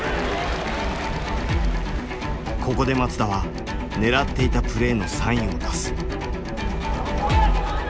ここで松田は狙っていたプレーのサインを出す。